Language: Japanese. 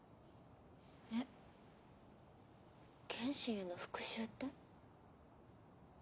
えっ？剣心への復讐って？